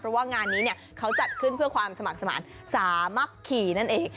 เพราะว่างานนี้เนี่ยเค้าจัดขึ้นเพื่อความสมัครสมัครสามารถขี่นั่นเอง